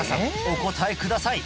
お答えください